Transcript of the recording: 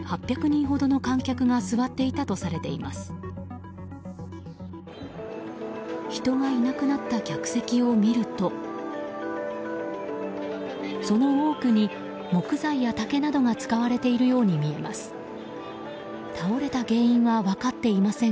人がいなくなった客席を見るとその多くに木材や竹などが使われているように見えます。